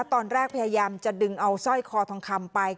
พยายามจะดึงเอาสร้อยคอทองคำไป